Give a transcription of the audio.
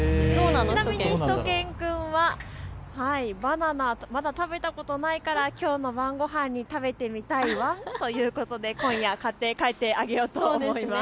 ちなみにしゅと犬くんはバナナまだ食べたことないからきょうの晩ごはんに食べてみたいワン！ということで今夜、買ってあげようと思います。